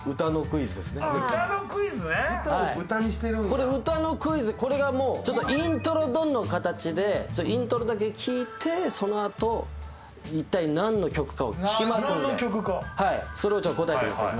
これ歌のクイズこれがもう「イントロドン」の形でイントロだけ聴いてそのあと一体なんの曲かを聞きますんでそれを答えてください。